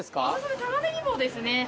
たまねぎ棒ですね。